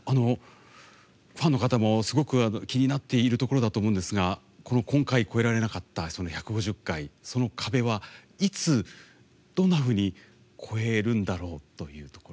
ファンの方もすごく気になっているところだと思いますが今回、超えられなかった１５０回その壁は、いつ、どんなふうに超えるんだろうというところ。